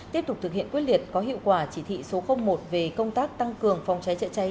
tiếp tục thực hiện quyết liệt có hiệu quả chỉ thị số một về công tác tăng cường phòng cháy chữa cháy